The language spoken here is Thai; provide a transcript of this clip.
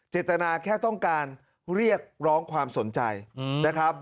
เจตนาแค่ต้องการเรียกร้องความสนใจนะครับ